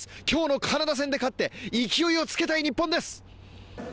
今日のカナダ戦で勝って勢いをつけたい日本です。